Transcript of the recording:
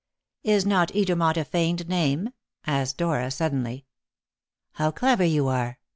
"Is not Edermont a feigned name?" asked Dora suddenly. "How clever you are!"